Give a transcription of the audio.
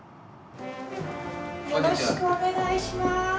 よろしくお願いします。